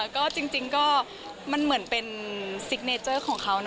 ก็จริงก็มันเหมือนเป็นซิกเนเจอร์ของเขา